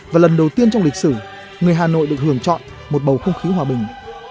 và lần đầu tiên trong lịch sử người hà nội được hưởng chọn một bầu không khí hòa bình